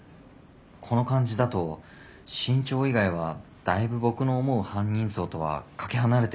この感じだと身長以外はだいぶ僕の思う犯人像とはかけ離れてるんだけど。